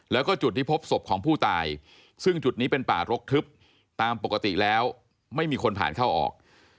แล้วก็จุดที่พบศพของผู้ตายซึ่งจุดนี้เป็นป่ารกทึบตามปกติแล้วไม่มีคนผ่านเข้าออก